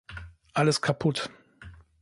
Alles kaputt.